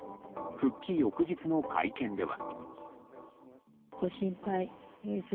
復帰翌日の会見では。